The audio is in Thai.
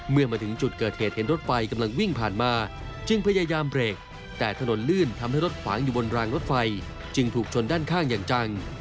เมื่อมาถึงจุดเกิดเหตุเห็นรถไฟกำลังวิ่งผ่านมาจึงพยายามเบรกแต่ถนนลื่นทำให้รถขวางอยู่บนรางรถไฟจึงถูกชนด้านข้างอย่างจัง